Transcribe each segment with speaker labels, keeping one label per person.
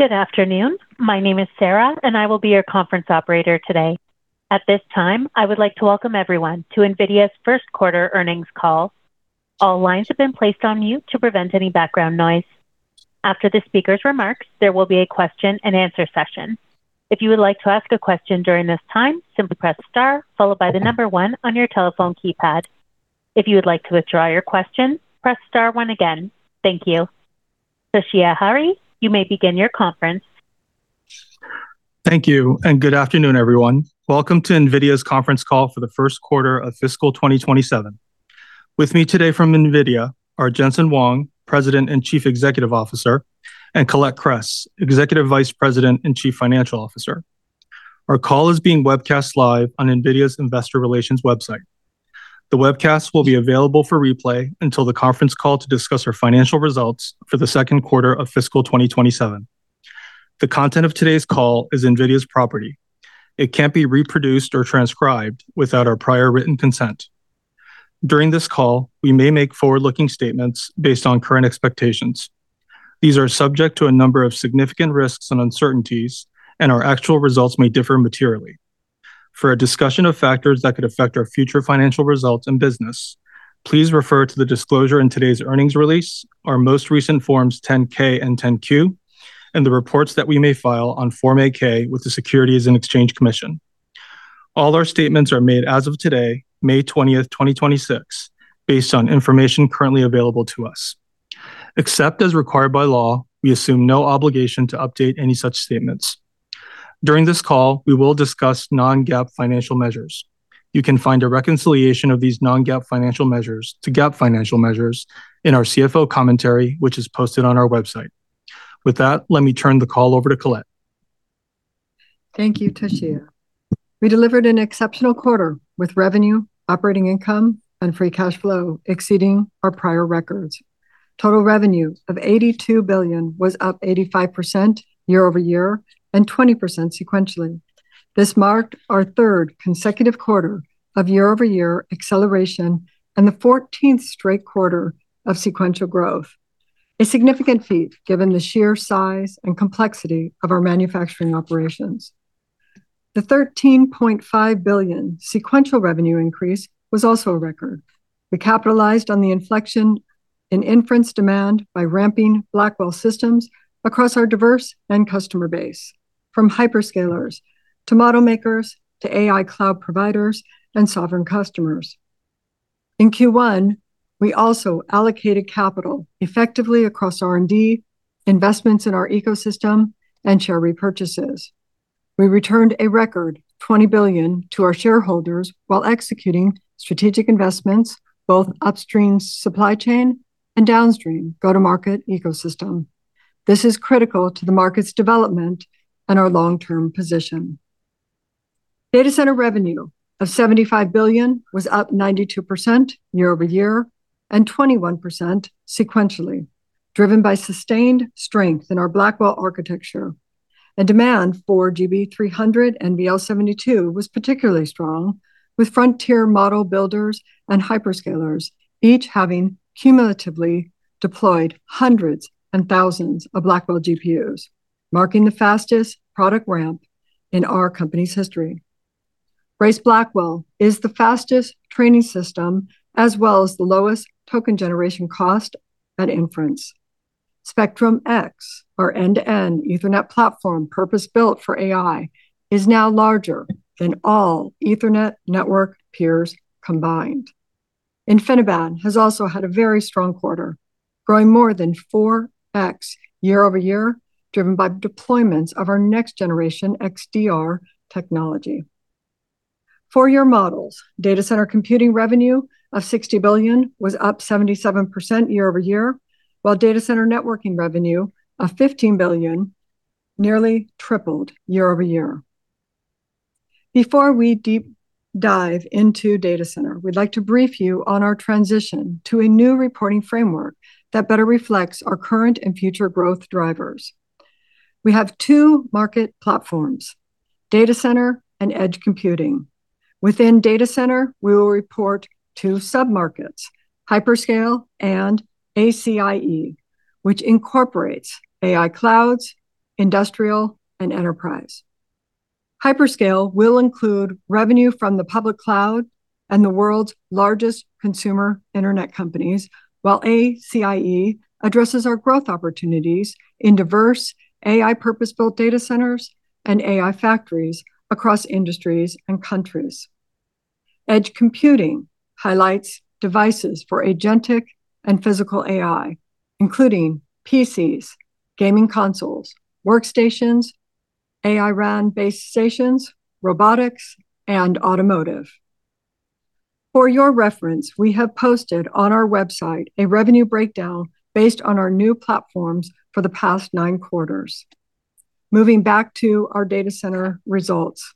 Speaker 1: Good afternoon. My name is Sarah, and I will be your conference operator today. At this time, I would like to welcome everyone to NVIDIA's first quarter earnings call. All lines have been placed on mute to prevent any background noise. After the speaker's remarks, there will be a question and answer session. If you would like to ask a question during this time, simply press star followed by the number one on your telephone keypad. If you would like to withdraw your question, press star one again. Thank you. Toshiya Hari, you may begin your conference.
Speaker 2: Thank you, and good afternoon, everyone. Welcome to NVIDIA's conference call for the first quarter of fiscal 2027. With me today from NVIDIA are Jensen Huang, President and Chief Executive Officer, and Colette Kress, Executive Vice President and Chief Financial Officer. Our call is being webcast live on NVIDIA's investor relations website. The webcast will be available for replay until the conference call to discuss our financial results for the second quarter of fiscal 2027. The content of today's call is NVIDIA's property. It can't be reproduced or transcribed without our prior written consent. During this call, we may make forward-looking statements based on current expectations. These are subject to a number of significant risks and uncertainties, and our actual results may differ materially. For a discussion of factors that could affect our future financial results and business, please refer to the disclosure in today's earnings release, our most recent Forms 10-K and 10-Q, and the reports that we may file on Form 8-K with the Securities and Exchange Commission. All our statements are made as of today, May 20th, 2026, based on information currently available to us. Except as required by law, we assume no obligation to update any such statements. During this call, we will discuss non-GAAP financial measures. You can find a reconciliation of these non-GAAP financial measures to GAAP financial measures in our CFO commentary, which is posted on our website. With that, let me turn the call over to Colette.
Speaker 3: Thank you, Toshiya. We delivered an exceptional quarter with revenue, operating income, and free cash flow exceeding our prior records. Total revenue of $82 billion was up 85% year-over-year and 20% sequentially. This marked our third consecutive quarter of year-over-year acceleration and the 14th straight quarter of sequential growth. A significant feat given the sheer size and complexity of our manufacturing operations. The $13.5 billion sequential revenue increase was also a record. We capitalized on the inflection in inference demand by ramping Blackwell systems across our diverse end customer base, from hyperscalers to model makers to AI cloud providers and sovereign customers. In Q1, we also allocated capital effectively across R&D, investments in our ecosystem, and share repurchases. We returned a record $20 billion to our shareholders while executing strategic investments both upstream supply chain and downstream go-to-market ecosystem. This is critical to the market's development and our long-term position. Data center revenue of $75 billion was up 92% year-over-year and 21% sequentially, driven by sustained strength in our Blackwell architecture. Demand for GB300 and NVL72 was particularly strong, with frontier model builders and hyperscalers each having cumulatively deployed hundreds and thousands of Blackwell GPUs, marking the fastest product ramp in our company's history. Grace Blackwell is the fastest training system as well as the lowest token generation cost at inference. Spectrum-X, our end-to-end Ethernet platform purpose-built for AI, is now larger than all ethernet network peers combined. InfiniBand has also had a very strong quarter, growing more than 4x year-over-year, driven by deployments of our next generation XDR technology. For your models, data center computing revenue of $60 billion was up 77% year-over-year, while data center networking revenue of $15 billion nearly tripled year-over-year. Before we deep dive into data center, we'd like to brief you on our transition to a new reporting framework that better reflects our current and future growth drivers. We have two market platforms, Data Center and Edge Computing. Within Data Center, we will report two sub-markets, Hyperscale and ACIE, which incorporates AI clouds, industrial, and enterprise. Hyperscale will include revenue from the public cloud and the world's largest consumer internet companies, while ACIE addresses our growth opportunities in diverse AI purpose-built data centers and AI factories across industries and countries. Edge Computing highlights devices for agentic and physical AI, including PCs, gaming consoles, workstations, AI RAN based stations, robotics, and automotive. For your reference, we have posted on our website a revenue breakdown based on our new platforms for the past nine quarters. Moving back to our Data Center results.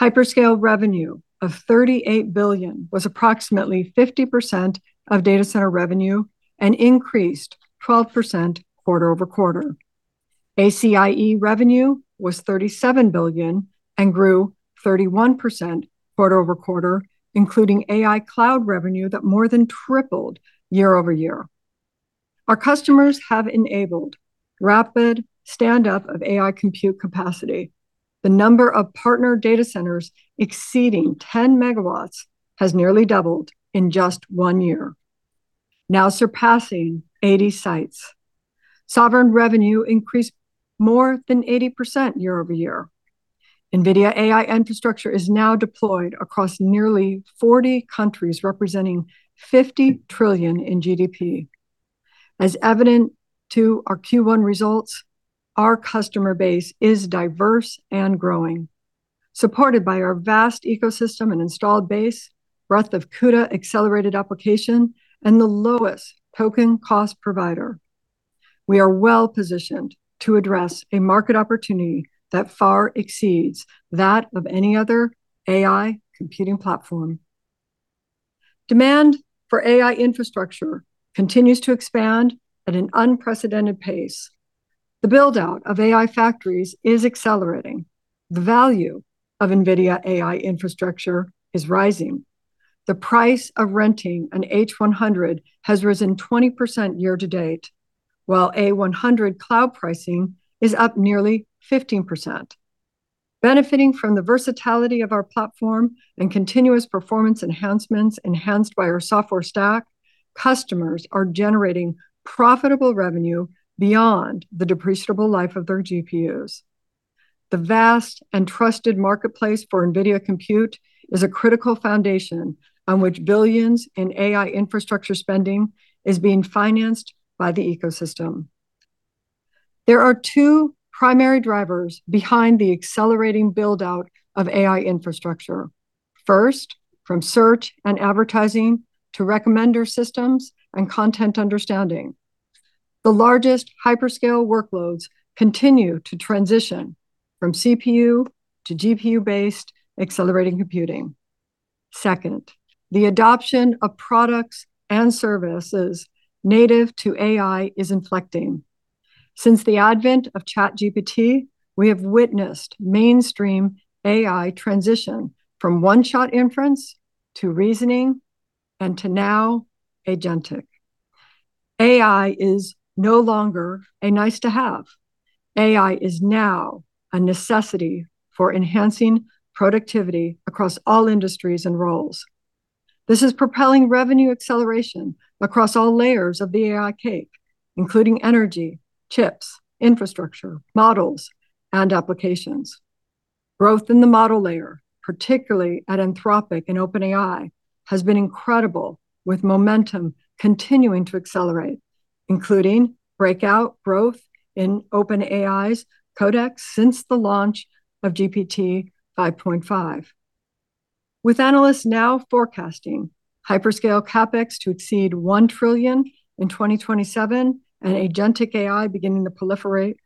Speaker 3: Hyperscale revenue of $38 billion was approximately 50% of Data Center revenue and increased 12% quarter-over-quarter. ACIE revenue was $37 billion and grew 31% quarter-over-quarter, including AI cloud revenue that more than tripled year-over-year. Our customers have enabled rapid stand-up of AI compute capacity. The number of partner data centers exceeding 10 MW has nearly doubled in just one year, now surpassing 80 sites. Sovereign revenue increased more than 80% year-over-year. NVIDIA AI infrastructure is now deployed across nearly 40 countries, representing $50 trillion in GDP. As evident to our Q1 results, our customer base is diverse and growing. Supported by our vast ecosystem and installed base, breadth of CUDA-accelerated application, and the lowest token cost provider. We are well-positioned to address a market opportunity that far exceeds that of any other AI computing platform. Demand for AI infrastructure continues to expand at an unprecedented pace. The build-out of AI factories is accelerating. The value of NVIDIA AI infrastructure is rising. The price of renting an H100 has risen 20% year to date, while A100 cloud pricing is up nearly 15%. Benefiting from the versatility of our platform and continuous performance enhancements enhanced by our software stack, customers are generating profitable revenue beyond the depreciable life of their GPUs. The vast and trusted marketplace for NVIDIA Compute is a critical foundation on which billions in AI infrastructure spending is being financed by the ecosystem. There are two primary drivers behind the accelerating build-out of AI infrastructure. First, from search and advertising to recommender systems and content understanding, the largest hyperscale workloads continue to transition from CPU to GPU-based accelerating computing. Second, the adoption of products and services native to AI is inflecting. Since the advent of ChatGPT, we have witnessed mainstream AI transition from one-shot inference to reasoning and to now agentic. AI is no longer a nice-to-have. AI is now a necessity for enhancing productivity across all industries and roles. This is propelling revenue acceleration across all layers of the AI cake, including energy, chips, infrastructure, models, and applications. Growth in the model layer, particularly at Anthropic and OpenAI, has been incredible, with momentum continuing to accelerate, including breakout growth in OpenAI's, Codex since the launch of GPT-5.5. With analysts now forecasting hyperscale CapEx to exceed $1 trillion in 2027 and agentic AI beginning to proliferate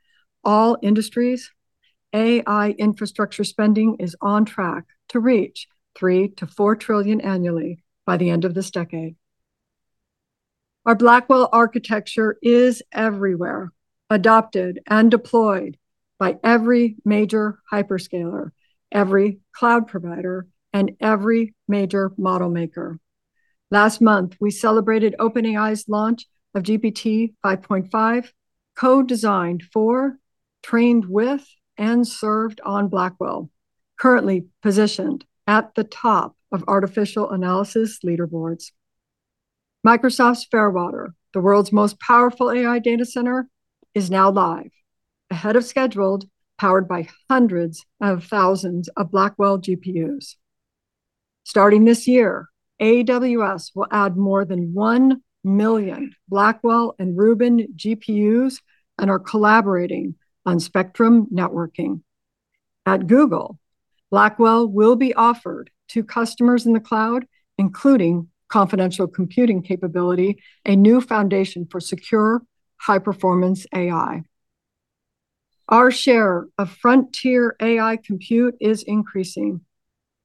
Speaker 3: all industries, AI infrastructure spending is on track to reach $3 trillion-$4 trillion annually by the end of this decade. Our Blackwell architecture is everywhere, adopted and deployed by every major hyperscaler, every cloud provider, and every major model maker. Last month, we celebrated OpenAI's launch of GPT-5.5, co-designed for, trained with, and served on Blackwell, currently positioned at the top of Artificial Analysis leaderboards. Microsoft's Fairwater, the world's most powerful AI data center, is now live, ahead of schedule, powered by hundreds of thousands of Blackwell GPUs. Starting this year, AWS will add more than 1 million Blackwell and Rubin GPUs and are collaborating on Spectrum-X networking. At Google, Blackwell will be offered to customers in the cloud, including confidential computing capability, a new foundation for secure high-performance AI. Our share of frontier AI compute is increasing.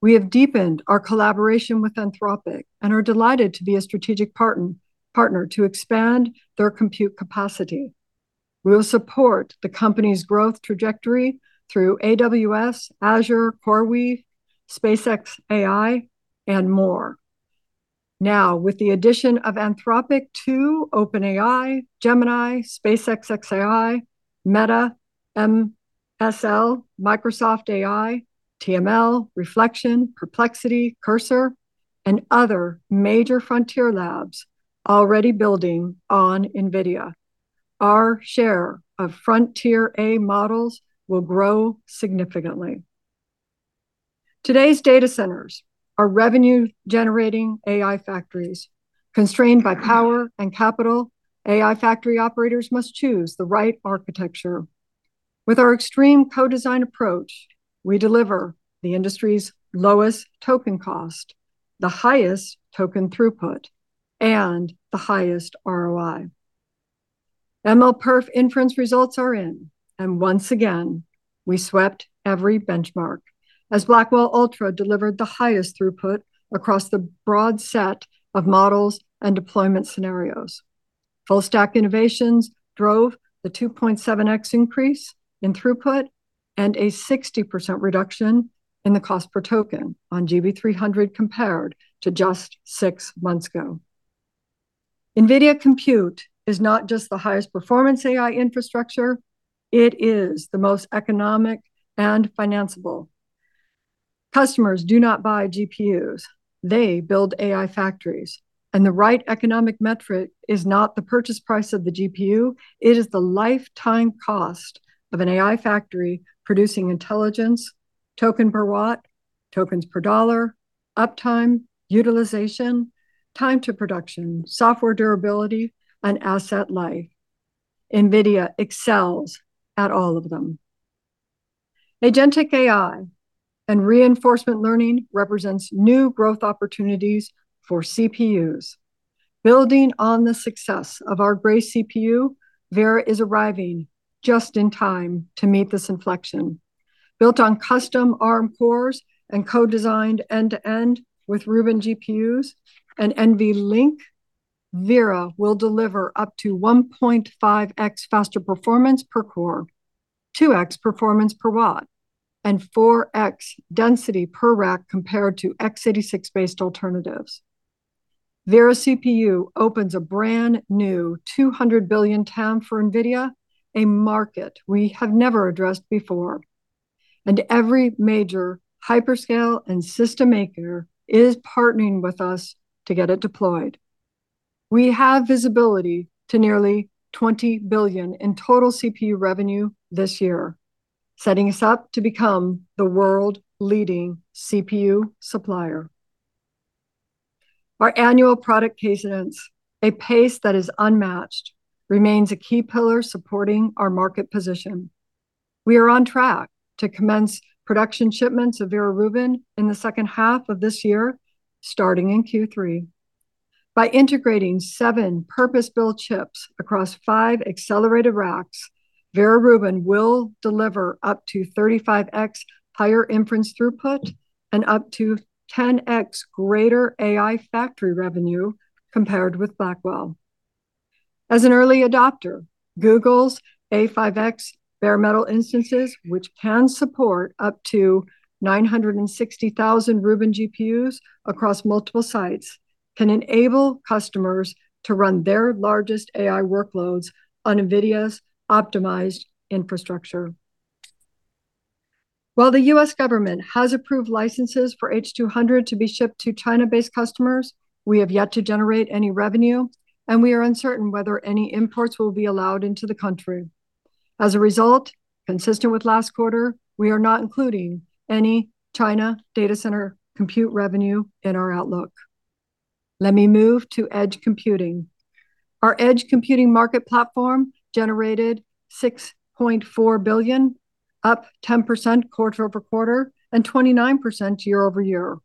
Speaker 3: We have deepened our collaboration with Anthropic and are delighted to be a strategic partner to expand their compute capacity. We will support the company's growth trajectory through AWS, Azure, CoreWeave, SpaceXAI, and more. Now, with the addition of Anthropic, too, OpenAI, Gemini, SpaceXAI, Meta, MSL, Microsoft AI, TML, Reflection, Perplexity, Cursor, and other major frontier labs already building on NVIDIA, our share of frontier AI models will grow significantly. Today's data centers are revenue-generating AI factories. Constrained by power and capital, AI factory operators must choose the right architecture. With our extreme co-design approach, we deliver the industry's lowest token cost, the highest token throughput, and the highest ROI. MLPerf inference results are in. Once again, we swept every benchmark as Blackwell Ultra delivered the highest throughput across the broad set of models and deployment scenarios. Full stack innovations drove the 2.7x increase in throughput and a 60% reduction in the cost per token on GB300 compared to just six months ago. NVIDIA Compute is not just the highest performance AI infrastructure, it is the most economic and financiable. Customers do not buy GPUs, they build AI factories. The right economic metric is not the purchase price of the GPU, it is the lifetime cost of an AI factory producing intelligence, token per watt, tokens per dollar, uptime, utilization, time to production, software durability, and asset life. NVIDIA excels at all of them. Agentic AI and reinforcement learning represents new growth opportunities for CPUs. Building on the success of our Grace CPU, Vera is arriving just in time to meet this inflection. Built on custom Arm cores and co-designed end-to-end with Rubin GPUs and NVLink, Vera will deliver up to 1.5x faster performance per core, 2x performance per watt, and 4x density per rack compared to x86-based alternatives. Vera CPU opens a brand-new $200 billion TAM for NVIDIA, a market we have never addressed before. Every major hyperscale and system maker is partnering with us to get it deployed. We have visibility to nearly $20 billion in total CPU revenue this year, setting us up to become the world leading CPU supplier. Our annual product cadence, a pace that is unmatched, remains a key pillar supporting our market position. We are on track to commence production shipments of Vera Rubin in the second half of this year, starting in Q3. By integrating seven purpose-built chips across five accelerated racks, Vera Rubin will deliver up to 35x higher inference throughput and up to 10x greater AI factory revenue compared with Blackwell. As an early adopter, Google's A5X bare-metal instances, which can support up to 960,000 Rubin GPUs across multiple sites, can enable customers to run their largest AI workloads on NVIDIA's optimized infrastructure. While the U.S. government has approved licenses for H200 to be shipped to China-based customers, we have yet to generate any revenue. We are uncertain whether any imports will be allowed into the country. As a result, consistent with last quarter, we are not including any China data center compute revenue in our outlook. Let me move to Edge Computing. Our Edge Computing market platform generated $6.4 billion, up 10% quarter-over-quarter and 29% year-over-year.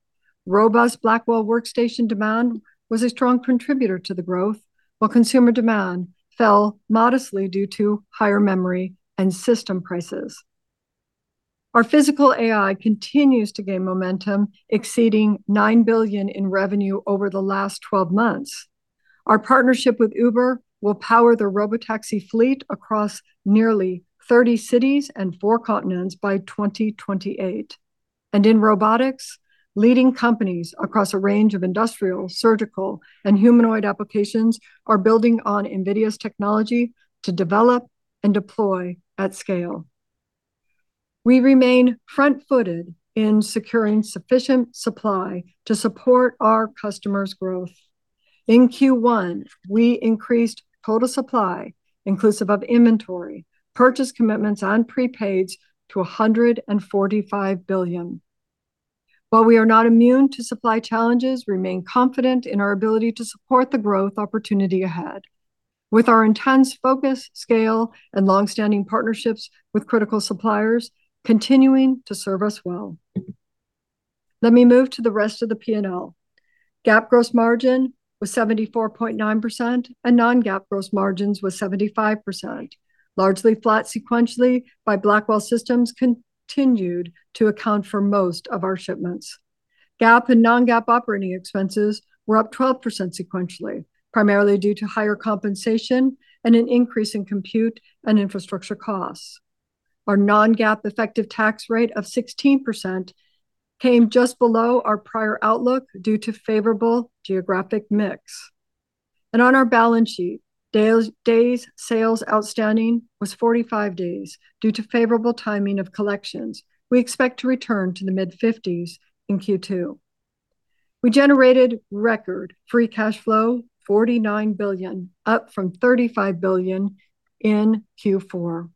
Speaker 3: Robust Blackwell workstation demand was a strong contributor to the growth, while consumer demand fell modestly due to higher memory and system prices. Our physical AI continues to gain momentum, exceeding $9 billion in revenue over the last 12 months. Our partnership with Uber will power the Robotaxi fleet across nearly 30 cities and four continents by 2028. In robotics, leading companies across a range of industrial, surgical, and humanoid applications are building on NVIDIA's technology to develop and deploy at scale. We remain front-footed in securing sufficient supply to support our customers' growth. In Q1, we increased total supply, inclusive of inventory, purchase commitments, and prepaids to $145 billion. While we are not immune to supply challenges, we remain confident in our ability to support the growth opportunity ahead. With our intense focus, scale, and long-standing partnerships with critical suppliers continuing to serve us well. Let me move to the rest of the P&L. GAAP gross margin was 74.9% and non-GAAP gross margins was 75%, largely flat sequentially by Blackwell systems continued to account for most of our shipments. GAAP and non-GAAP operating expenses were up 12% sequentially, primarily due to higher compensation and an increase in compute and infrastructure costs. Our non-GAAP effective tax rate of 16% came just below our prior outlook due to favorable geographic mix. On our balance sheet, days' sales outstanding was 45 days due to favorable timing of collections. We expect to return to the mid-50s in Q2. We generated record free cash flow, $49 billion, up from $35 billion in Q4.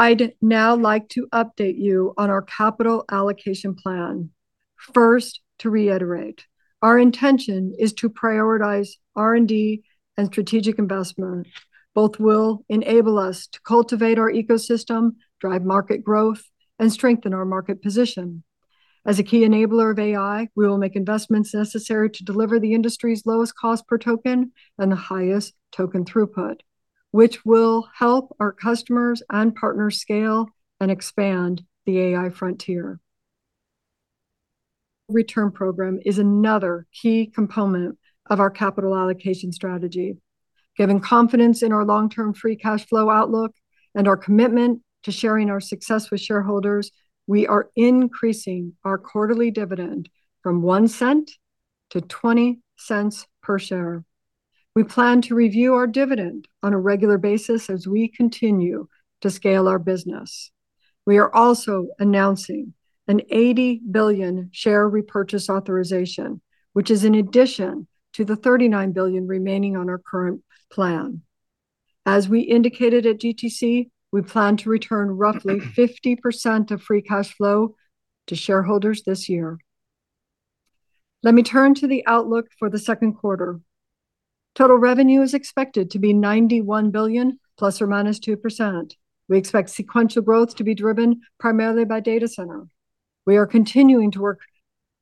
Speaker 3: I'd now like to update you on our capital allocation plan. First, to reiterate, our intention is to prioritize R&D and strategic investment. Both will enable us to cultivate our ecosystem, drive market growth, and strengthen our market position. As a key enabler of AI, we will make investments necessary to deliver the industry's lowest cost per token and the highest token throughput, which will help our customers and partners scale and expand the AI frontier. Return program is another key component of our capital allocation strategy. Given confidence in our long-term free cash flow outlook and our commitment to sharing our success with shareholders, we are increasing our quarterly dividend from $0.01-$0.20 per share. We plan to review our dividend on a regular basis as we continue to scale our business. We are also announcing an $80 billion share repurchase authorization, which is in addition to the $39 billion remaining on our current plan. As we indicated at GTC, we plan to return roughly 50% of free cash flow to shareholders this year. Let me turn to the outlook for the second quarter. Total revenue is expected to be $91 billion, ±2%. We expect sequential growth to be driven primarily by Data Center. We are continuing to work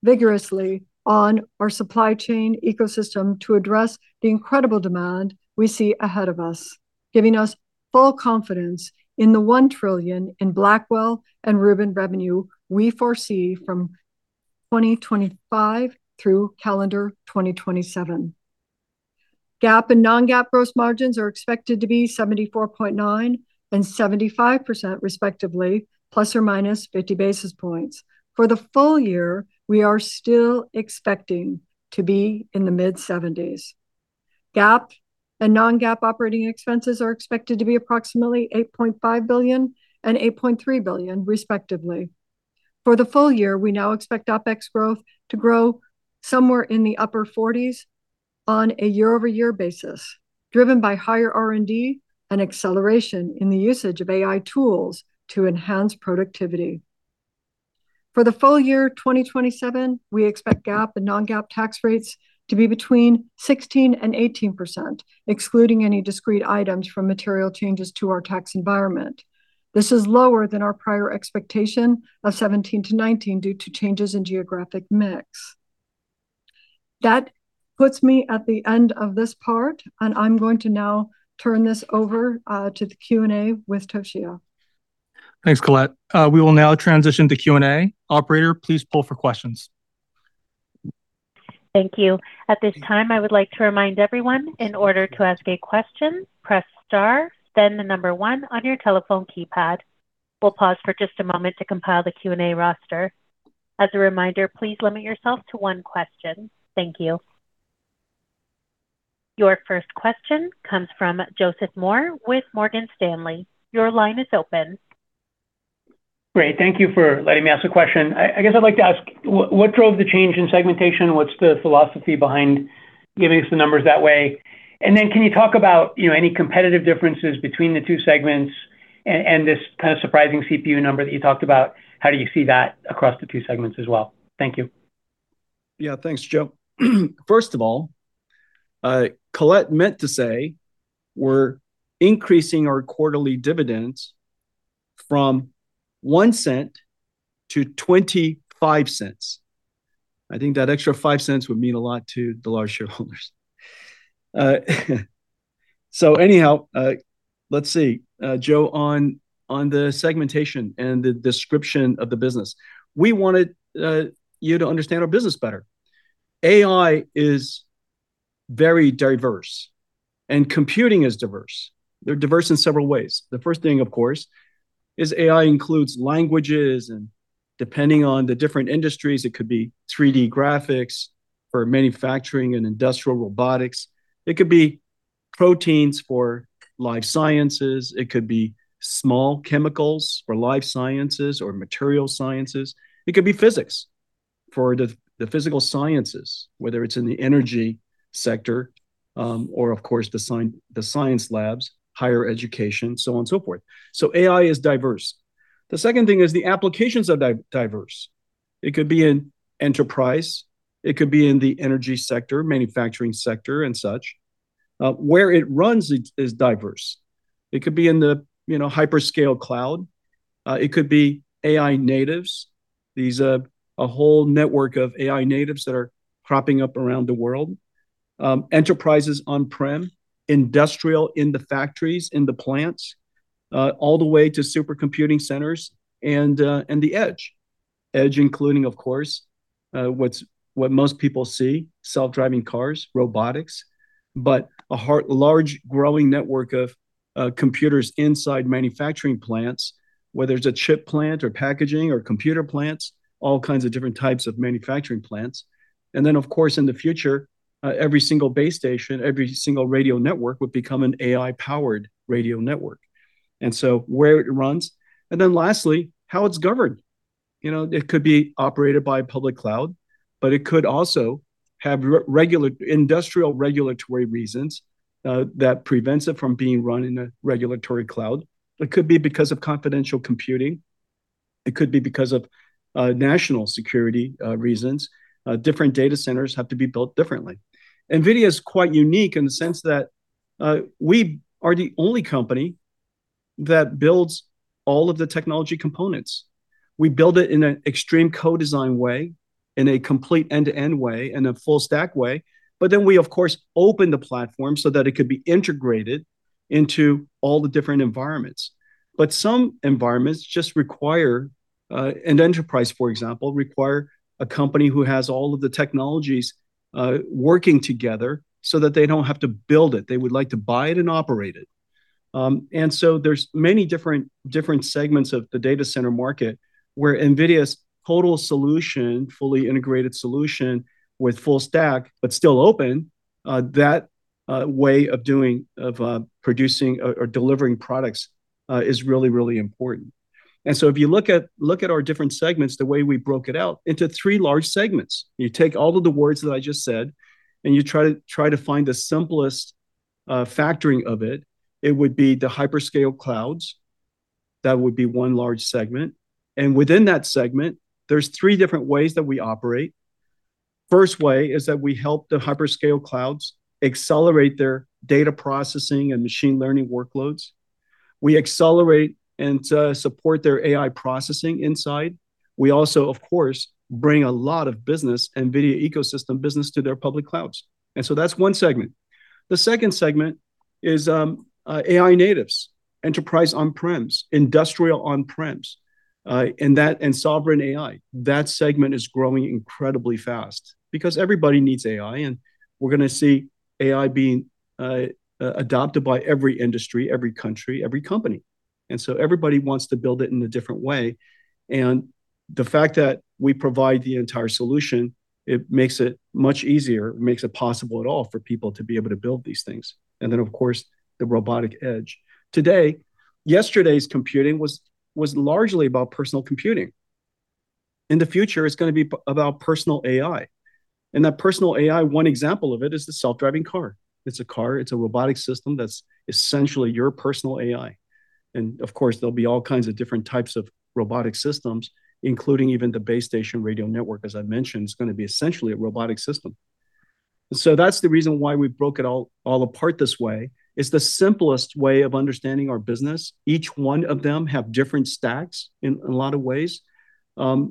Speaker 3: vigorously on our supply chain ecosystem to address the incredible demand we see ahead of us, giving us full confidence in the $1 trillion in Blackwell and Rubin revenue we foresee from 2025 through calendar 2027. GAAP and non-GAAP gross margins are expected to be 74.9% and 75% respectively, ±50 basis points. For the full year, we are still expecting to be in the mid-70s. GAAP and non-GAAP operating expenses are expected to be approximately $8.5 billion and $8.3 billion respectively. For the full year, we now expect OPEX growth to grow somewhere in the upper 40s on a year-over-year basis, driven by higher R&D and acceleration in the usage of AI tools to enhance productivity. For the full year 2027, we expect GAAP and non-GAAP tax rates to be between 16% and 18%, excluding any discrete items from material changes to our tax environment. This is lower than our prior expectation of 17%-19% due to changes in geographic mix. That puts me at the end of this part, and I'm going to now turn this over to the Q&A with Toshiya.
Speaker 2: Thanks, Colette. We will now transition to Q&A. Operator, please pull for questions.
Speaker 1: Thank you. At this time, I would like to remind everyone, in order to ask a question, press star, then the number one on your telephone keypad. We'll pause for just a moment to compile the Q&A roster. As a reminder, please limit yourself to one question. Thank you. Your first question comes from Joseph Moore with Morgan Stanley. Your line is open.
Speaker 4: Great. Thank you for letting me ask a question. I guess I'd like to ask, what drove the change in segmentation? What's the philosophy behind giving us the numbers that way? Can you talk about any competitive differences between the two segments and this kind of surprising CPU number that you talked about? How do you see that across the two segments as well? Thank you.
Speaker 5: Yeah. Thanks, Joe. First of all, Colette meant to say we're increasing our quarterly dividends from $0.01-$0.25. I think that extra $0.05 would mean a lot to the large shareholders. Anyhow, let's see. Joe, on the segmentation and the description of the business. We wanted you to understand our business better. AI is very diverse and computing is diverse. They're diverse in several ways. The first thing, of course, is AI includes languages, and depending on the different industries, it could be 3D graphics for manufacturing and industrial robotics. It could be proteins for life sciences. It could be small chemicals for life sciences or material sciences. It could be physics for the physical sciences, whether it's in the energy sector, or of course the science labs, higher education, so on and so forth. AI is diverse. The second thing is the applications are diverse. It could be in enterprise, it could be in the energy sector, manufacturing sector and such. Where it runs is diverse. It could be in the hyperscale cloud. It could be AI natives, these whole network of AI natives that are propping up around the world. Enterprises on-prem, industrial in the factories, in the plants, all the way to supercomputing centers and the edge. Edge including, of course, what most people see, self-driving cars, robotics, but a large growing network of computers inside manufacturing plants, whether it's a chip plant or packaging or computer plants, all kinds of different types of manufacturing plants. Then, of course, in the future, every single base station, every single radio network would become an AI-powered radio network. So where it runs. Lastly, how it's governed. It could be operated by a public cloud, but it could also have industrial regulatory reasons that prevents it from being run in a regulatory cloud. It could be because of confidential computing. It could be because of national security reasons. Different data centers have to be built differently. NVIDIA is quite unique in the sense that we are the only company that builds all of the technology components. We build it in an extreme co-design way, in a complete end-to-end way, in a full stack way. We of course open the platform so that it could be integrated into all the different environments. Some environments just require an enterprise, for example, require a company who has all of the technologies working together so that they don't have to build it. They would like to buy it and operate it. There's many different segments of the data center market where NVIDIA's total solution, fully integrated solution with full stack, but still open, that way of producing or delivering products is really, really important. If you look at our different segments, the way we broke it out into three large segments. You take all of the words that I just said, and you try to find the simplest factoring of it. It would be the hyperscale clouds. That would be one large segment. Within that segment, there's three different ways that we operate. First way is that we help the hyperscale clouds accelerate their data processing and machine learning workloads. We accelerate and support their AI processing inside. We also, of course, bring a lot of business, NVIDIA ecosystem business to their public clouds. That's one segment. The second segment is AI natives, enterprise on-prems, industrial on-prems, and sovereign AI. That segment is growing incredibly fast because everybody needs AI, and we're going to see AI being adopted by every industry, every country, every company. Everybody wants to build it in a different way, and the fact that we provide the entire solution, it makes it much easier. It makes it possible at all for people to be able to build these things. Of course, the robotic edge. Today, yesterday's computing was largely about personal computing. In the future, it's going to be about personal AI. That personal AI, one example of it is the self-driving car. It's a car, it's a robotic system that's essentially your personal AI. Of course, there'll be all kinds of different types of robotic systems, including even the base station radio network, as I mentioned, is going to be essentially a robotic system. That's the reason why we broke it all apart this way. It's the simplest way of understanding our business. Each one of them have different stacks in a lot of ways.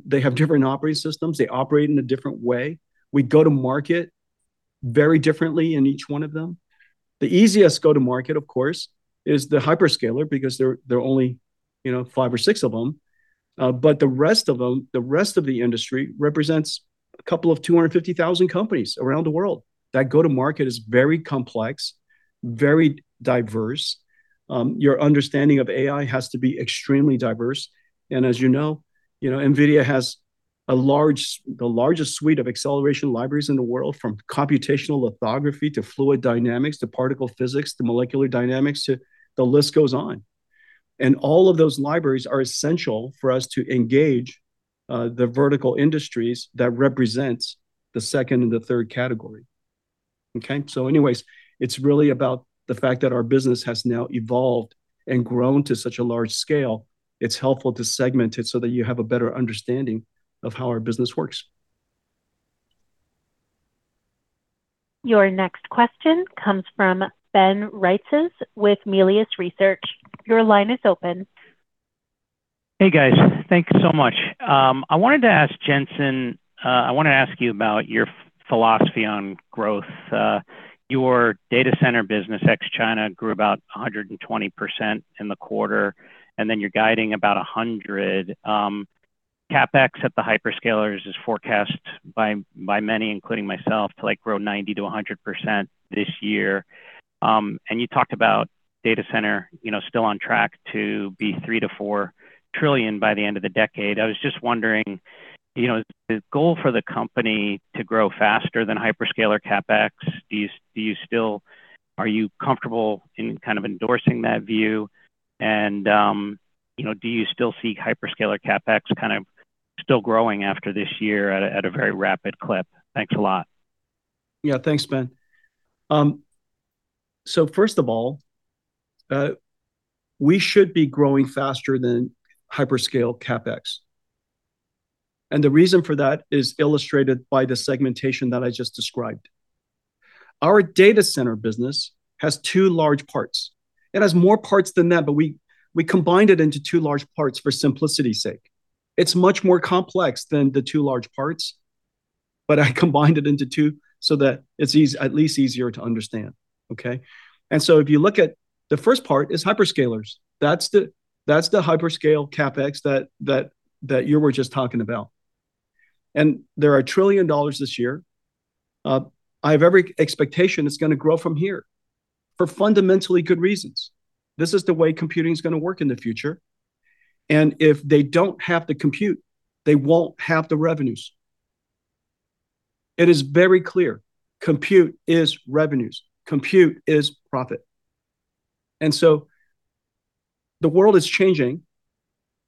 Speaker 5: They have different operating systems. They operate in a different way. We go to market very differently in each one of them. The easiest go-to-market, of course, is the hyperscaler, because there are only five or six of them. The rest of them, the rest of the industry represents a couple of 250,000 companies around the world. That go-to-market is very complex, very diverse. Your understanding of AI has to be extremely diverse. As you know, NVIDIA has the largest suite of acceleration libraries in the world, from computational lithography, to fluid dynamics, to particle physics, to molecular dynamics, to the list goes on. All of those libraries are essential for us to engage the vertical industries that represents the second and the third category. Okay? Anyways, it's really about the fact that our business has now evolved and grown to such a large scale. It's helpful to segment it so that you have a better understanding of how our business works.
Speaker 1: Your next question comes from Ben Reitzes with Melius Research. Your line is open.
Speaker 6: Hey, guys. Thank you so much. I wanted to ask Jensen, I want to ask you about your philosophy on growth. Your Data Center business, ex-China, grew about 120% in the quarter, and then you're guiding about 100%. CapEx at the hyperscalers is forecast by many, including myself, to grow 90%-100% this year. You talked about data center still on track to be $3 trillion-$4 trillion by the end of the decade. I was just wondering, is the goal for the company to grow faster than hyperscaler CapEx? Are you comfortable in kind of endorsing that view? Do you still see hyperscaler CapEx still growing after this year at a very rapid clip? Thanks a lot.
Speaker 5: Yeah. Thanks, Ben. First of all, we should be growing faster than hyperscale CapEx. The reason for that is illustrated by the segmentation that I just described. Our data center business has two large parts. It has more parts than that, but we combined it into two large parts for simplicity's sake. It's much more complex than the two large parts, but I combined it into two so that it's at least easier to understand. Okay. If you look at the first part is hyperscalers. That's the hyperscale CapEx that you were just talking about. They're $1 trillion this year. I have every expectation it's going to grow from here for fundamentally good reasons. This is the way computing is going to work in the future. If they don't have the compute, they won't have the revenues. It is very clear. Compute is revenues. Compute is profit. The world is changing.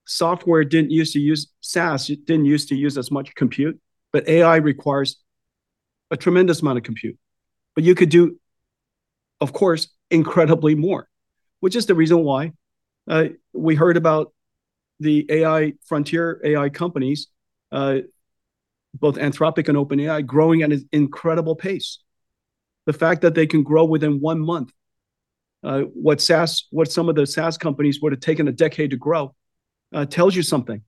Speaker 5: SaaS didn't use to use as much compute, but AI requires a tremendous amount of compute. You could do, of course, incredibly more, which is the reason why we heard about the frontier AI companies, both Anthropic and OpenAI, growing at an incredible pace. The fact that they can grow within one month what some of the SaaS companies would have taken one decade to grow tells you something.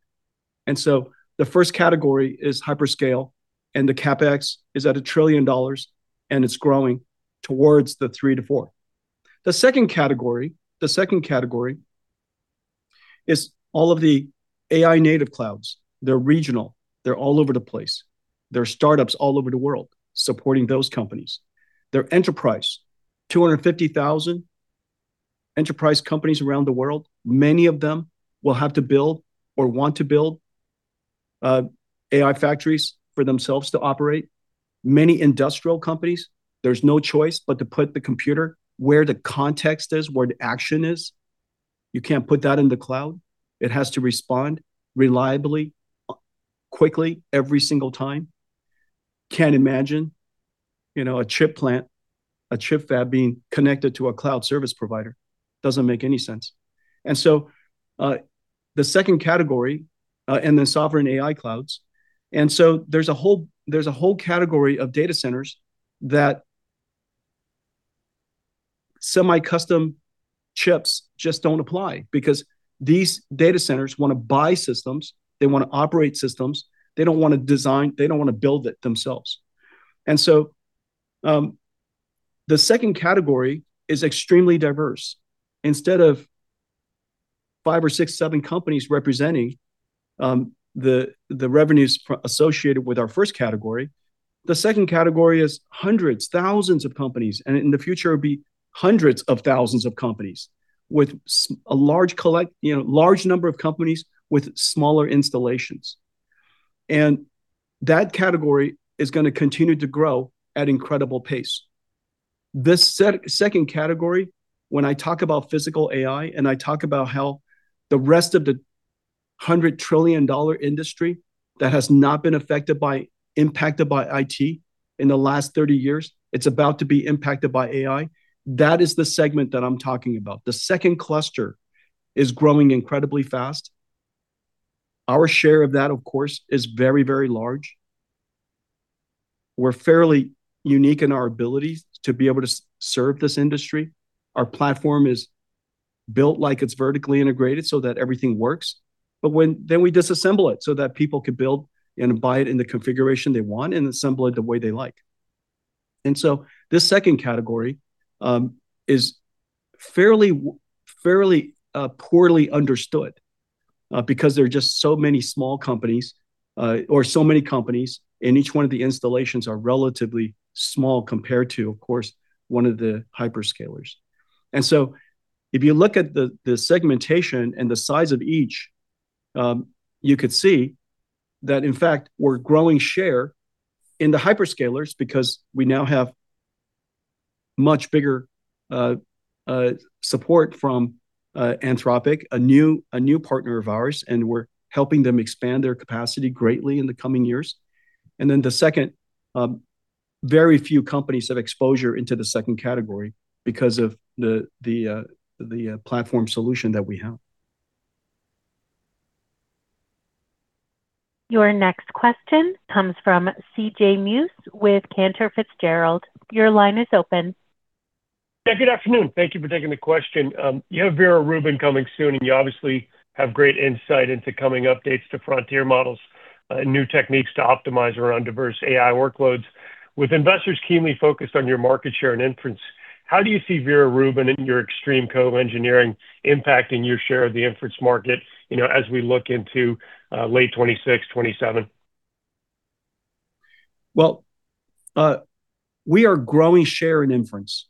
Speaker 5: The first category is hyperscale, and the CapEx is at $1 trillion and it's growing towards $3 trillion-$4 trillion. The second category is all of the AI native clouds. They're regional. They're all over the place. There are startups all over the world supporting those companies. They're enterprise, 250,000 enterprise companies around the world. Many of them will have to build or want to build AI factories for themselves to operate. Many industrial companies, there's no choice but to put the computer where the context is, where the action is. You can't put that in the cloud. It has to respond reliably, quickly, every single time. Can't imagine a chip plant, a chip fab being connected to a cloud service provider. Doesn't make any sense. The second category, and then sovereign AI clouds. There's a whole category of data centers that semi-custom chips just don't apply because these data centers want to buy systems, they want to operate systems. They don't want to design, they don't want to build it themselves. The second category is extremely diverse. Instead of five or six, seven companies representing the revenues associated with our first category, the second category is hundreds, thousands of companies, and in the future, it'll be hundreds of thousands of companies with a large number of companies with smaller installations. That category is going to continue to grow at incredible pace. This second category, when I talk about physical AI, and I talk about how the rest of the $100 trillion industry that has not been impacted by IT in the last 30 years, it's about to be impacted by AI. That is the segment that I'm talking about. The second cluster is growing incredibly fast. Our share of that, of course, is very large. We're fairly unique in our ability to be able to serve this industry. Our platform is built like it's vertically integrated so that everything works. We disassemble it so that people can build and buy it in the configuration they want and assemble it the way they like. This second category is fairly poorly understood because there are just so many small companies, or so many companies, and each one of the installations are relatively small compared to, of course, one of the hyperscalers. If you look at the segmentation and the size of each, you could see that in fact, we're growing share in the hyperscalers because we now have much bigger support from Anthropic, a new partner of ours, and we're helping them expand their capacity greatly in the coming years. The second, very few companies have exposure into the second category because of the platform solution that we have.
Speaker 1: Your next question comes from CJ Muse with Cantor Fitzgerald. Your line is open.
Speaker 7: Good afternoon. Thank you for taking the question. You have Vera Rubin coming soon, and you obviously have great insight into coming updates to frontier models, new techniques to optimize around diverse AI workloads. With investors keenly focused on your market share and inference, how do you see Vera Rubin and your Extreme Co-Engineering impacting your share of the inference market as we look into late 2026, 2027?
Speaker 5: Well, we are growing share and inference,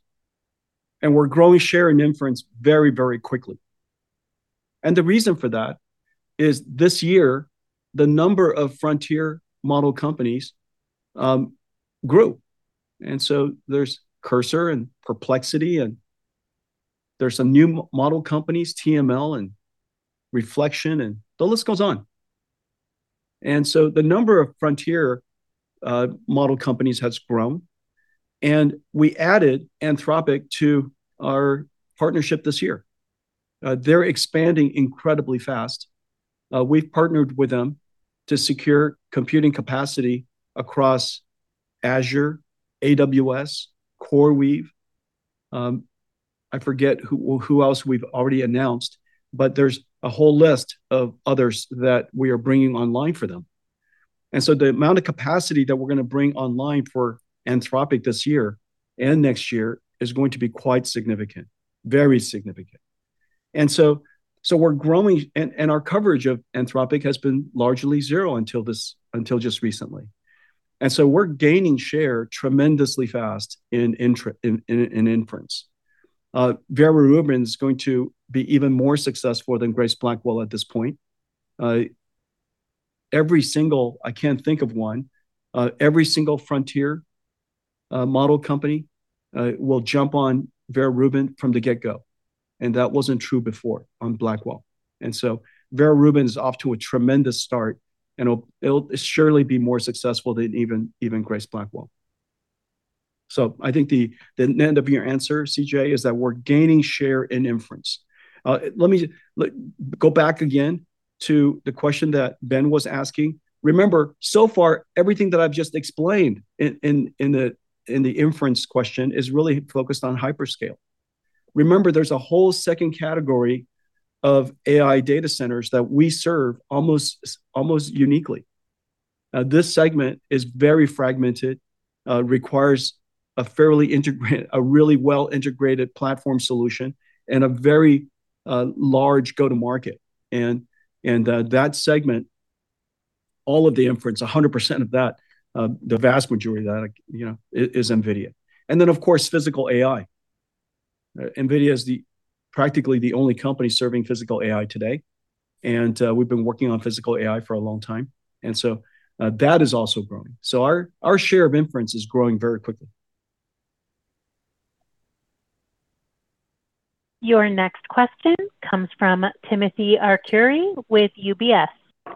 Speaker 5: and we're growing share and inference very quickly. The reason for that is this year, the number of frontier model companies grew. There's Cursor and Perplexity and there's some new model companies, TML and Reflection, and the list goes on. The number of frontier model companies has grown, and we added Anthropic to our partnership this year. They're expanding incredibly fast. We've partnered with them to secure computing capacity across Azure, AWS, CoreWeave. I forget who else we've already announced, but there's a whole list of others that we are bringing online for them. The amount of capacity that we're going to bring online for Anthropic this year and next year is going to be quite significant. Very significant. We're growing, and our coverage of Anthropic has been largely zero until just recently. We're gaining share tremendously fast in inference. Vera Rubin's going to be even more successful than Grace Blackwell at this point. I can't think of one, every single frontier model company will jump on Vera Rubin from the get-go, and that wasn't true before on Blackwell. Vera Rubin is off to a tremendous start, and it'll surely be more successful than even Grace Blackwell. I think the end of your answer, CJ, is that we're gaining share and inference. Let me go back again to the question that Ben was asking. Remember, so far, everything that I've just explained in the inference question is really focused on hyperscale. Remember, there's a whole second category of AI data centers that we serve almost uniquely. This segment is very fragmented, requires a really well-integrated platform solution, and a very large go-to-market. That segment, all of the inference, 100% of that, the vast majority of that is NVIDIA. Then of course, physical AI. NVIDIA is practically the only company serving physical AI today, and we've been working on physical AI for a long time. That is also growing. Our share of inference is growing very quickly.
Speaker 1: Your next question comes from Timothy Arcuri with UBS.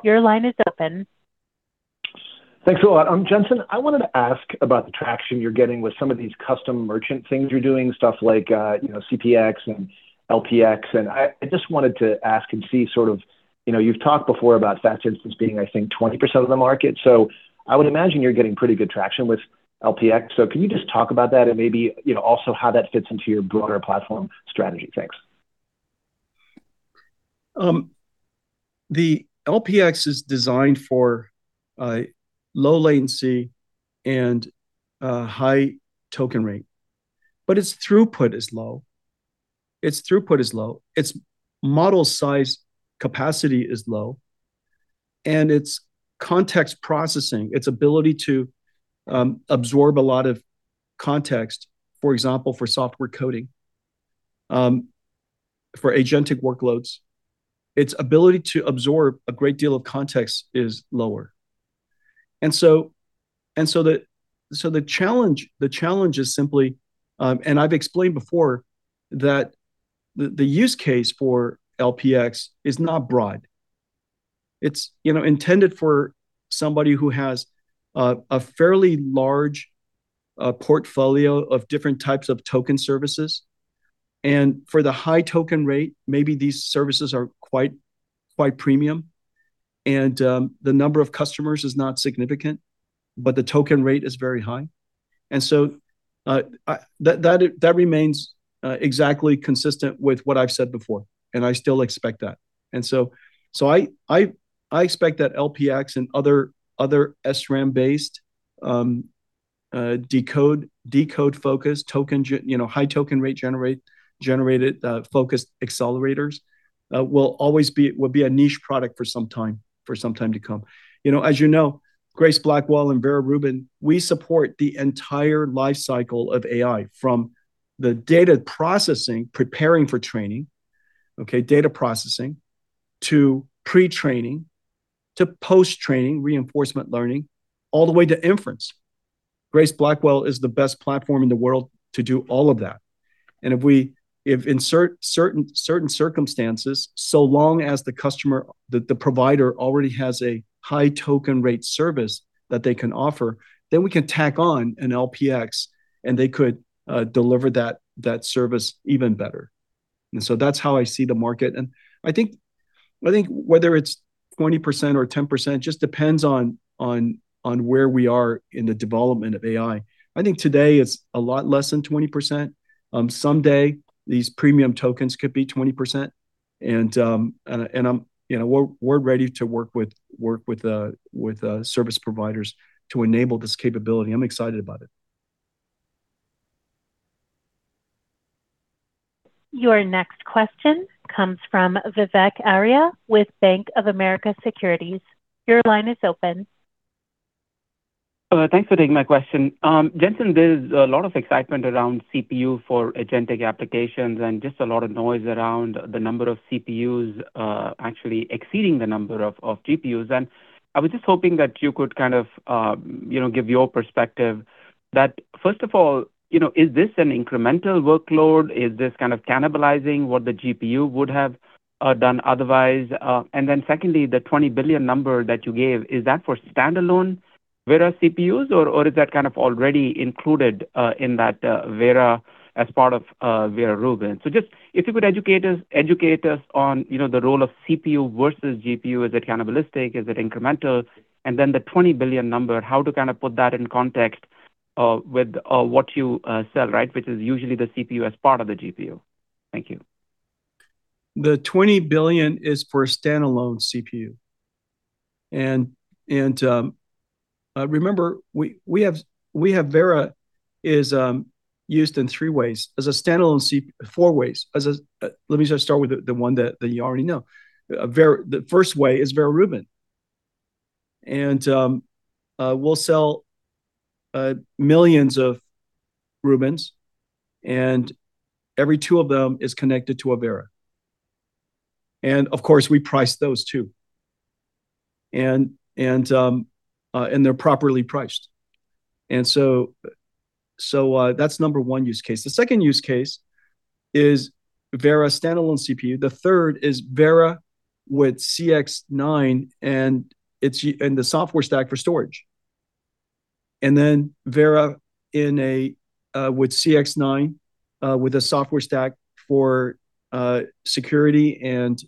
Speaker 1: Your line is open.
Speaker 8: Thanks a lot. Jensen, I wanted to ask about the traction you're getting with some of these custom merchant things you're doing, stuff like CPX and LPX. I just wanted to ask and see, you've talked before about fast instance being, I think, 20% of the market. I would imagine you're getting pretty good traction with LPX. Can you just talk about that and maybe, also how that fits into your broader platform strategy? Thanks.
Speaker 5: The LPX is designed for low latency and high token rate, but its throughput is low. Its model size capacity is low, and its context processing, its ability to absorb a lot of context, for example, for software coding, for agentic workloads, its ability to absorb a great deal of context is lower. The challenge is simply, and I've explained before that the use case for LPX is not broad. It's intended for somebody who has a fairly large portfolio of different types of token services, and for the high token rate, maybe these services are quite premium. The number of customers is not significant, but the token rate is very high. That remains exactly consistent with what I've said before, and I still expect that. I expect that LPX and other SRAM-based decode focused, high token rate generated, focused accelerators will be a niche product for some time to come. As you know, Grace Blackwell and Vera Rubin, we support the entire life cycle of AI from the data processing, preparing for training, okay, data processing, to pre-training, to post-training, reinforcement learning, all the way to inference. Grace Blackwell is the best platform in the world to do all of that. If in certain circumstances, so long as the provider already has a high token rate service that they can offer, then we can tack on an LPX, and they could deliver that service even better. That's how I see the market, and I think whether it's 20% or 10%, it just depends on where we are in the development of AI. I think today it's a lot less than 20%. Someday these premium tokens could be 20%, and we're ready to work with service providers to enable this capability. I'm excited about it.
Speaker 1: Your next question comes from Vivek Arya with Bank of America Securities.
Speaker 9: Thanks for taking my question. Jensen, there's a lot of excitement around CPU for agentic applications and just a lot of noise around the number of CPUs actually exceeding the number of GPUs. I was just hoping that you could give your perspective that first of all, is this an incremental workload? Is this cannibalizing what the GPU would have done otherwise? Then secondly, the $20 billion number that you gave, is that for standalone Vera CPUs or is that already included in that Vera as part of Vera Rubin? Just if you could educate us on the role of CPU versus GPU. Is it cannibalistic? Is it incremental? Then the $20 billion number, how to put that in context with what you sell, right, which is usually the CPU as part of the GPU. Thank you.
Speaker 5: The $20 billion is for a standalone CPU. Remember, we have Vera is used in three ways, four ways. Let me just start with the one that you already know. The first way is Vera Rubin. We'll sell millions of Rubins, and every two of them is connected to a Vera. Of course, we price those too. They're properly priced. That's number one use case. The second use case is Vera standalone CPU. The third is Vera with CX9, and it's in the software stack for storage. Then Vera with CX9 with a software stack for security and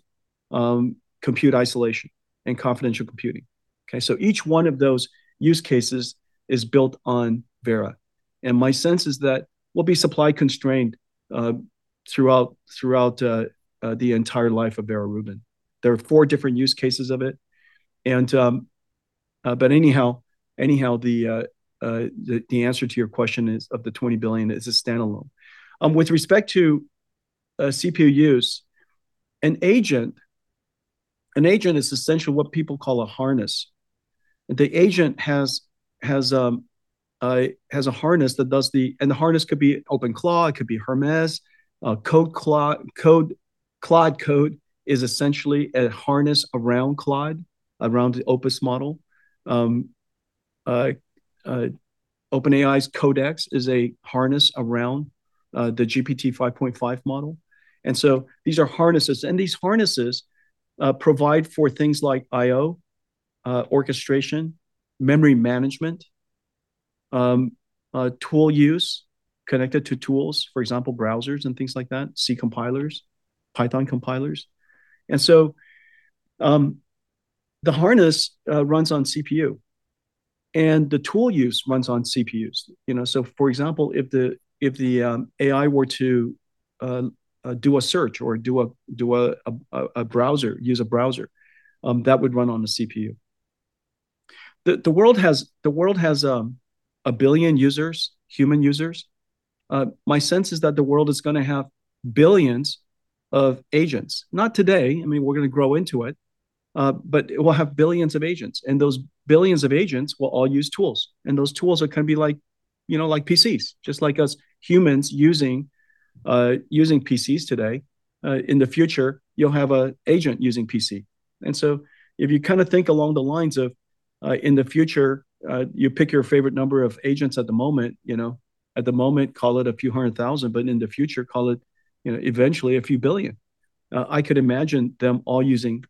Speaker 5: compute isolation and confidential computing. Okay, each one of those use cases is built on Vera. My sense is that we'll be supply constrained throughout the entire life of Vera Rubin. There are four different use cases of it. Anyhow, the answer to your question is of the $20 billion is a standalone. With respect to CPU use, an agent is essentially what people call a harness. The agent has a harness that does. The harness could be OpenClaw, it could be Hermes. Claude Code is essentially a harness around Claude, around the Opus model. OpenAI's Codex is a harness around the GPT-5.5 model. These are harnesses, and these harnesses provide for things like IO, orchestration, memory management, tool use, connected to tools, for example, browsers and things like that, C compilers, Python compilers. The harness runs on CPU, and the tool use runs on CPUs. So for example, if the AI were to do a search or use a browser, that would run on the CPU. The world has billion human users. My sense is that the world is going to have billions of agents. Not today, we're going to grow into it. It will have billions of agents, and those billions of agents will all use tools. Those tools are going to be like PCs, just like us humans using PCs today. In the future, you'll have an agent using PC. If you think along the lines of, in the future, you pick your favorite number of agents at the moment, call it a few hundred thousand, but in the future, call it eventually a few billion. I could imagine them all effectively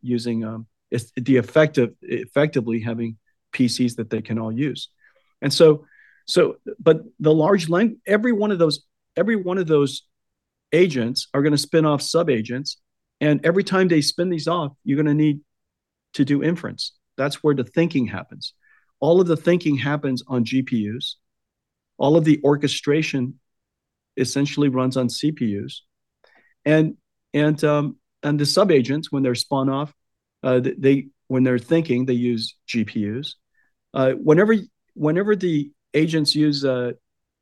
Speaker 5: having PCs that they can all use. Every one of those agents are going to spin off sub-agents, and every time they spin these off, you're going to need to do inference. That's where the thinking happens. All of the thinking happens on GPUs. All of the orchestration essentially runs on CPUs. The sub-agents, when they're spun off, when they're thinking, they use GPUs. Whenever the agents use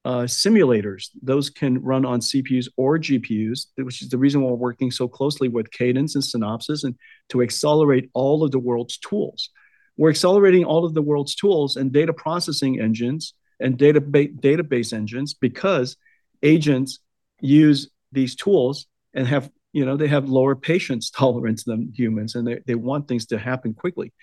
Speaker 5: simulators, those can run on CPUs or GPUs, which is the reason we're working so closely with Cadence and Synopsys, and to accelerate all of the world's tools. We're accelerating all of the world's tools and data processing engines and database engines because agents use these tools and they have lower patience tolerance than humans, and they want things to happen quickly.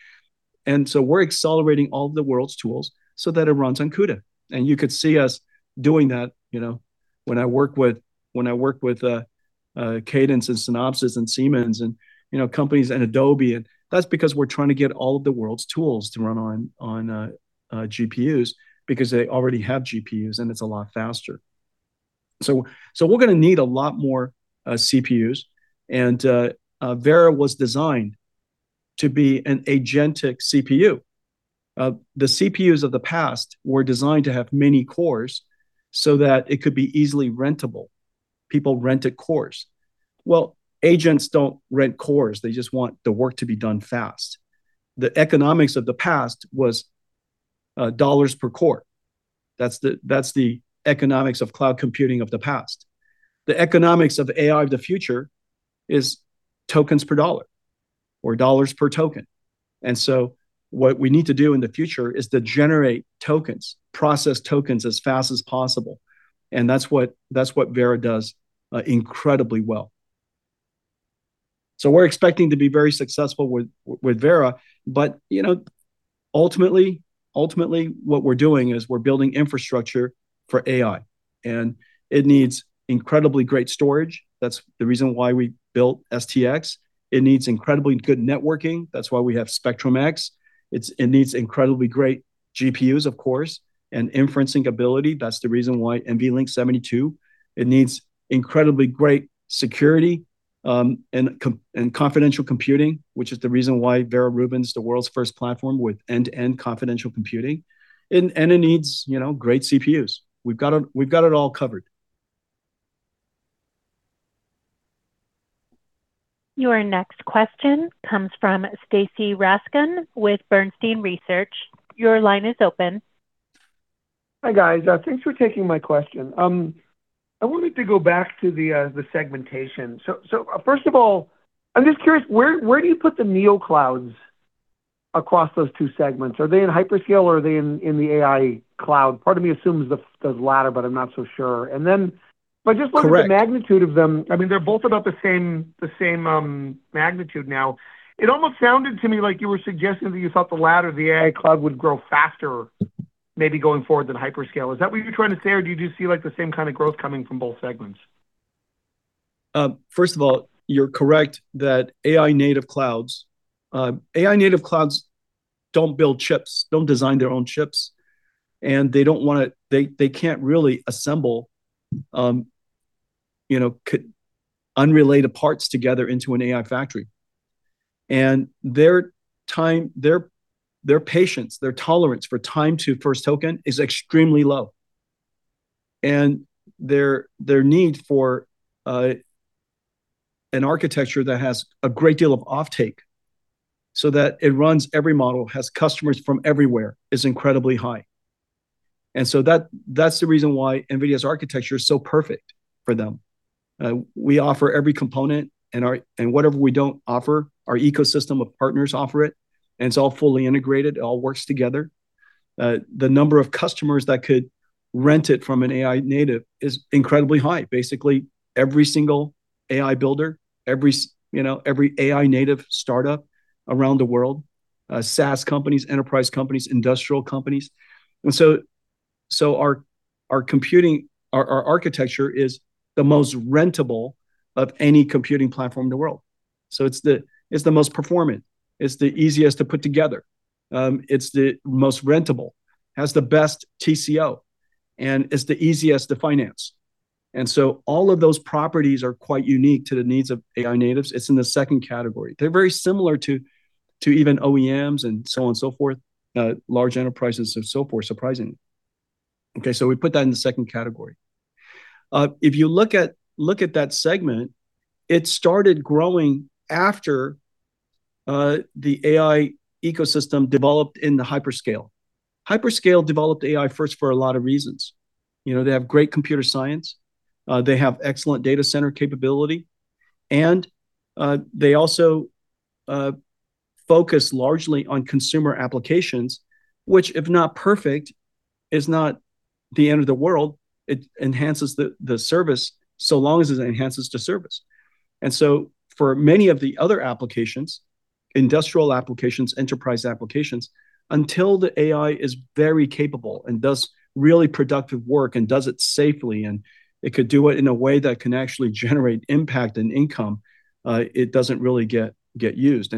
Speaker 5: We're accelerating all of the world's tools so that it runs on CUDA. You could see us doing that when I work with Cadence and Synopsys and Siemens and companies and Adobe. That's because we're trying to get all of the world's tools to run on GPUs because they already have GPUs, and it's a lot faster. We're going to need a lot more CPUs and Vera was designed to be an agentic CPU. The CPUs of the past were designed to have many cores so that it could be easily rentable. People rent a cores. Agents don't rent cores. They just want the work to be done fast. The economics of the past was dollars per core. That's the economics of cloud computing of the past. The economics of AI of the future is tokens per dollar or dollar per token. What we need to do in the future is to generate tokens, process tokens as fast as possible. That's what Vera does incredibly well. We're expecting to be very successful with Vera, but ultimately what we're doing is we're building infrastructure for AI, and it needs incredibly great storage. That's the reason why we built STX. It needs incredibly good networking. That's why we have Spectrum-X. It needs incredibly great GPUs, of course, and inferencing ability. That's the reason why NVLink72. It needs incredibly great security, and confidential computing, which is the reason why Vera Rubin is the world's first platform with end-to-end confidential computing. It needs great CPUs. We've got it all covered.
Speaker 1: Your next question comes from Stacy Rasgon with Bernstein Research. Your line is open.
Speaker 10: Hi, guys. Thanks for taking my question. I wanted to go back to the segmentation. First of all, I'm just curious, where do you put the neoclouds across those two segments? Are they in hyperscale or are they in the AI cloud? Part of me assumes the latter, I'm not so sure.
Speaker 5: Correct.
Speaker 10: I just looked at the magnitude of them. They're both about the same magnitude now. It almost sounded to me like you were suggesting that you thought the latter, the AI cloud would grow faster, maybe going forward than hyperscale. Is that what you're trying to say, or do you just see the same kind of growth coming from both segments?
Speaker 5: First of all, you're correct that AI native clouds don't build chips, don't design their own chips, they can't really assemble unrelated parts together into an AI factory. Their patience, their tolerance for time to first token is extremely low. Their need for an architecture that has a great deal of offtake so that it runs every model, has customers from everywhere, is incredibly high. That's the reason why NVIDIA's architecture is so perfect for them. We offer every component, and whatever we don't offer, our ecosystem of partners offer it, and it's all fully integrated. It all works together. The number of customers that could rent it from an AI native is incredibly high, basically every single AI builder, every AI native startup around the world, SaaS companies, enterprise companies, industrial companies. Our architecture is the most rentable of any computing platform in the world. It's the most performant, it's the easiest to put together. It's the most rentable, has the best TCO, and it's the easiest to finance. All of those properties are quite unique to the needs of AI natives. It's in the second category. They're very similar to even OEMs and so on and so forth, large enterprises and so forth, surprisingly. We put that in the second category. If you look at that segment, it started growing after the AI ecosystem developed in the hyperscale. Hyperscale developed AI first for a lot of reasons. They have great computer science. They have excellent data center capability. They also focus largely on consumer applications, which, if not perfect, is not the end of the world. It enhances the service so long as it enhances the service. For many of the other applications, industrial applications, enterprise applications, until the AI is very capable and does really productive work and does it safely, and it could do it in a way that can actually generate impact and income, it doesn't really get used.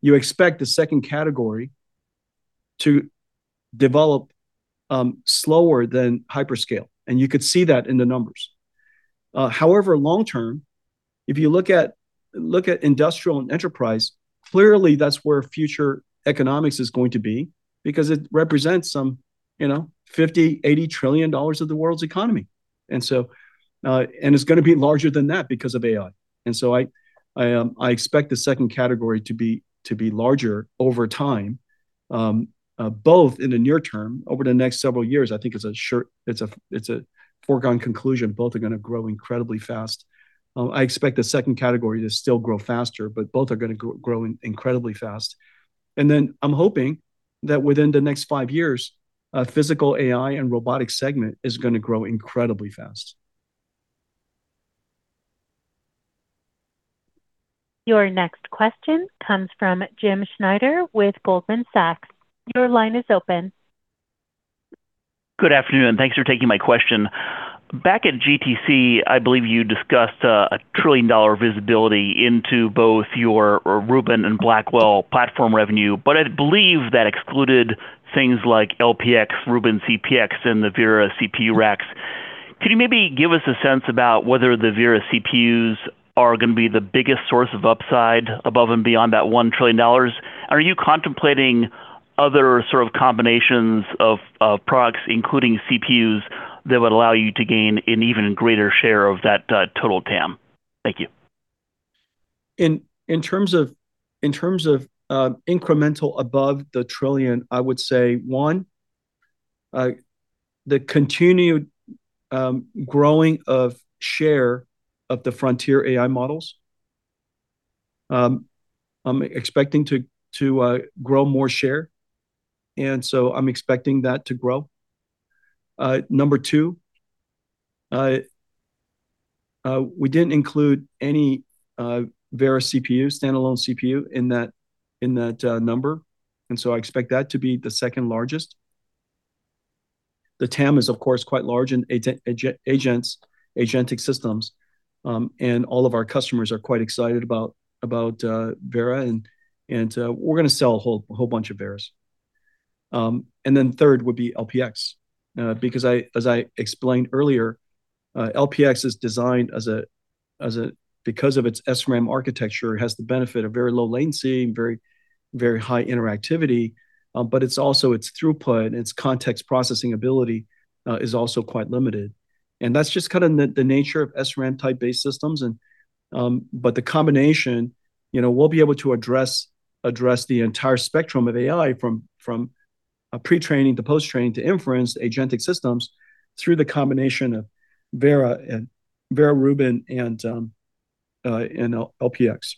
Speaker 5: You expect the second category to develop slower than hyperscale. You could see that in the numbers. However, long term, if you look at industrial and enterprise, clearly that's where future economics is going to be because it represents some $50 trillion-$80 trillion of the world's economy. It's going to be larger than that because of AI. I expect the second category to be larger over time, both in the near term over the next several years. I think it's a foregone conclusion both are going to grow incredibly fast. I expect the second category to still grow faster, but both are going to grow incredibly fast. I'm hoping that within the next five years, physical AI and robotics segment is going to grow incredibly fast.
Speaker 1: Your next question comes from James Schneider with Goldman Sachs. Your line is open.
Speaker 11: Good afternoon. Thanks for taking my question. Back at GTC, I believe you discussed a $1 trillion visibility into both your Rubin and Blackwell platform revenue. I believe that excluded things like LPX, Rubin CPX, and the Vera CPU racks. Could you maybe give us a sense about whether the Vera CPUs are going to be the biggest source of upside above and beyond that $1 trillion? Are you contemplating other sort of combinations of products, including CPUs, that would allow you to gain an even greater share of that total TAM? Thank you.
Speaker 5: In terms of incremental above the $1 trillion, I would say, one, the continued growing of share of the frontier AI models. I'm expecting to grow more share. I'm expecting that to grow. Two, we didn't include any Vera CPU, standalone CPU in that number. I expect that to be the second largest. The TAM is, of course, quite large in agentic systems. All of our customers are quite excited about Vera, and we're going to sell a whole bunch of Veras. Three would be LPX, because as I explained earlier, LPX is designed, because of its SRAM architecture, has the benefit of very low latency and very high interactivity. It's also its throughput and its context processing ability is also quite limited. That's just the nature of SRAM-type based systems. The combination, we'll be able to address the entire spectrum of AI from pre-training to post-training to inference agentic systems through the combination of Vera Rubin and LPX.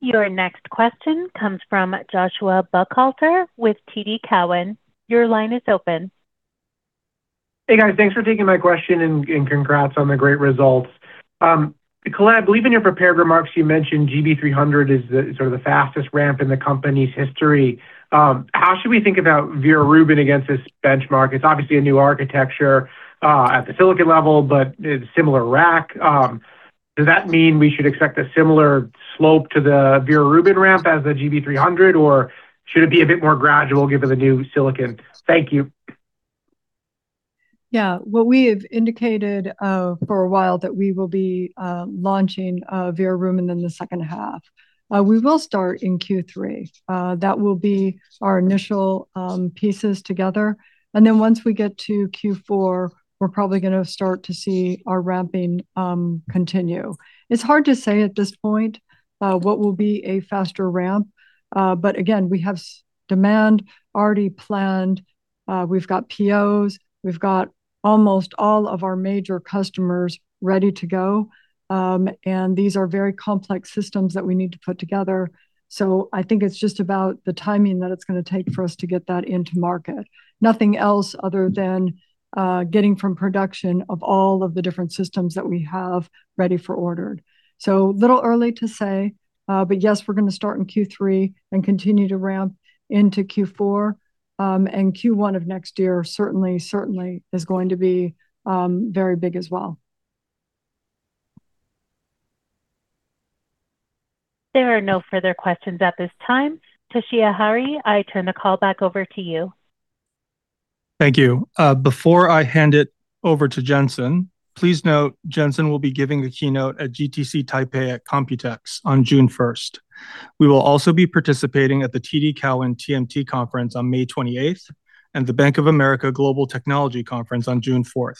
Speaker 1: Your next question comes from Joshua Buchalter with TD Cowen. Your line is open.
Speaker 12: Hey, guys. Thanks for taking my question and congrats on the great results. Colette, I believe in your prepared remarks you mentioned GB300 is the sort of the fastest ramp in the company's history. How should we think about Vera Rubin against this benchmark? It's obviously a new architecture, at the silicon level, but it's similar rack. Does that mean we should expect a similar slope to the Vera Rubin ramp as the GB200, or should it be a bit more gradual given the new silicon? Thank you.
Speaker 3: Yeah. What we have indicated for a while, that we will be launching Vera Rubin in the second half. We will start in Q3. That will be our initial pieces together. Once we get to Q4, we're probably going to start to see our ramping continue. It's hard to say at this point what will be a faster ramp. We have demand already planned. We've got POs, we've got almost all of our major customers ready to go. These are very complex systems that we need to put together. I think it's just about the timing that it's going to take for us to get that into market. Nothing else other than getting from production of all of the different systems that we have ready for order. A little early to say, but yes, we're going to start in Q3 and continue to ramp into Q4. Q1 of next year certainly is going to be very big as well.
Speaker 1: There are no further questions at this time. Toshiya Hari, I turn the call back over to you.
Speaker 2: Thank you. Before I hand it over to Jensen, please note Jensen will be giving the keynote at GTC Taipei at COMPUTEX on June 1st. We will also be participating at the TD Cowen TMT Conference on May 28th and the Bank of America Global Technology Conference on June 4th.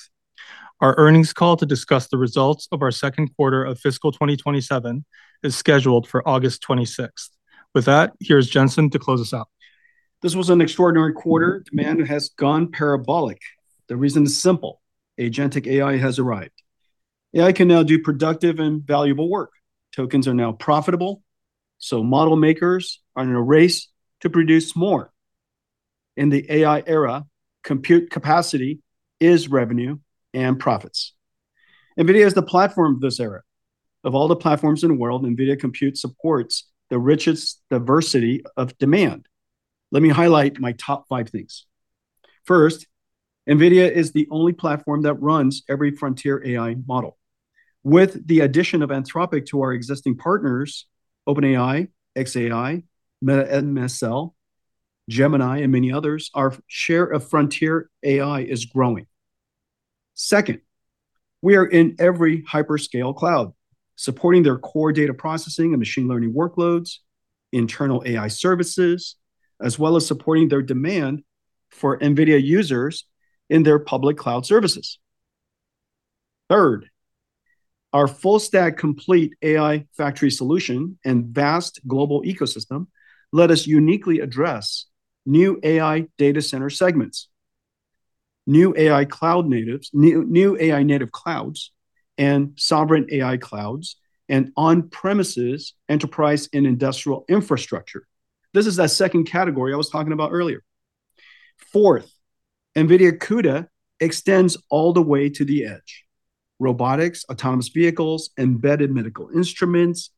Speaker 2: Our earnings call to discuss the results of our second quarter of fiscal 2027 is scheduled for August 26th. With that, here's Jensen to close us out.
Speaker 5: This was an extraordinary quarter. Demand has gone parabolic. The reason is simple: agentic AI has arrived. AI can now do productive and valuable work. Tokens are now profitable. Model makers are in a race to produce more. In the AI era, compute capacity is revenue and profits. NVIDIA is the platform of this era. Of all the platforms in the world, NVIDIA Compute supports the richest diversity of demand. Let me highlight my top five things. First, NVIDIA is the only platform that runs every frontier AI model. With the addition of Anthropic to our existing partners, OpenAI, xAI, Meta and Mistral AI, Gemini and many others, our share of frontier AI is growing. Second, we are in every hyperscale cloud supporting their core data processing and machine learning workloads, internal AI services, as well as supporting their demand for NVIDIA users in their public cloud services. Our full stack complete AI factory solution and vast global ecosystem let us uniquely address new AI data center segments, new AI native clouds, and sovereign AI clouds, and on-premises enterprise and industrial infrastructure. This is that second category I was talking about earlier. NVIDIA CUDA extends all the way to the edge. Robotics, autonomous vehicles, embedded medical instruments,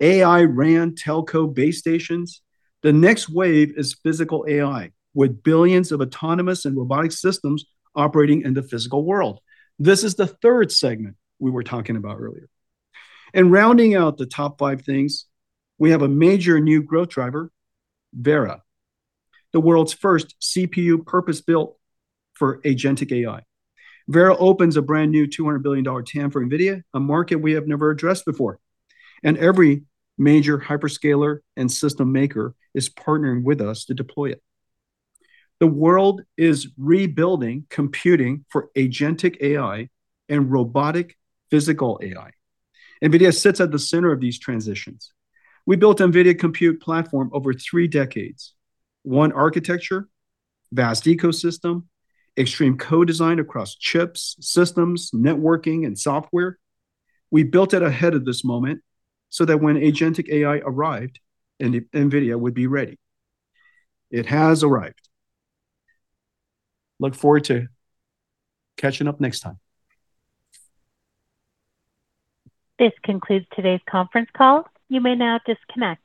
Speaker 5: AI RAN telco base stations. The next wave is physical AI, with billions of autonomous and robotic systems operating in the physical world. This is the third segment we were talking about earlier. Rounding out the top five things, we have a major new growth driver, Vera, the world's first CPU purpose-built for agentic AI. Vera opens a brand-new $200 billion TAM for NVIDIA, a market we have never addressed before. Every major hyperscaler and system maker is partnering with us to deploy it. The world is rebuilding computing for agentic AI and robotic physical AI. NVIDIA sits at the center of these transitions. We built NVIDIA Compute Platform over three decades. One architecture, vast ecosystem, extreme co-design across chips, systems, networking, and software. We built it ahead of this moment so that when agentic AI arrived, NVIDIA would be ready. It has arrived. Look forward to catching up next time.
Speaker 1: This concludes today's conference call. You may now disconnect.